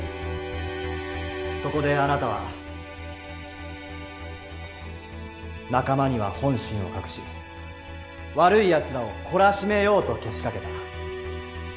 そこであなたは仲間には本心を隠し悪いやつらを懲らしめようとけしかけた。